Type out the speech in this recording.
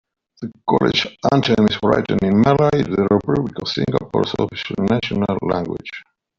The College Anthem is written in Malay, the Republic of Singapore's official national language.